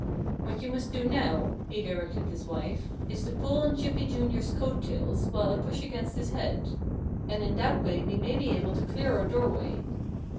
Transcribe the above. "What you must do now," he directed his wife, "is to pull on Chippy, Jr.'s, coat tails, while I push against his head. And in that way we may be able to clear our doorway."